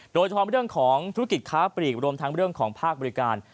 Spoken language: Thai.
โดยเฉพาะเรื่องของธุรกิจค้าปลีกรวมทั้งเรื่องของภาคบริการ